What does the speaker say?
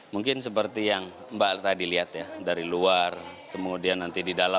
mungkin seperti yang mbak tadi lihat ya dari luar kemudian nanti di dalam